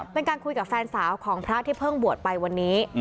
เป็นการคุยกับแฟนสาวของพระที่เพิ่งบวชไปวันนี้